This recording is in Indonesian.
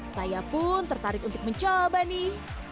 saya pun tertarik untuk mencoba nih